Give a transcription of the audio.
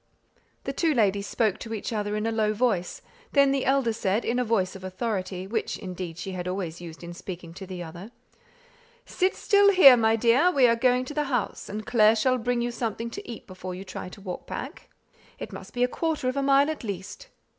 The two ladies spoke to each other in a low voice; then the elder said in a voice of authority, which, indeed, she had always used in speaking to the other, "Sit still here, my dear; we are going to the house, and Clare shall bring you something to eat before you try to walk back; it must be a quarter of a mile at least."